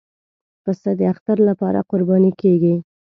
پسه د اختر لپاره قرباني کېږي.